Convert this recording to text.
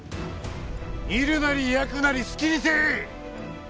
煮るなり焼くなり好きにせい！